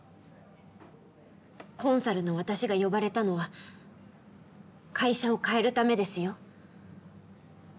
コンサルの私が呼ばれたのは会社を変えるためですよ